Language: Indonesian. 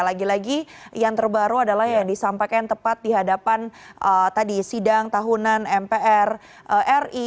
lagi lagi yang terbaru adalah yang disampaikan tepat di hadapan tadi sidang tahunan mpr ri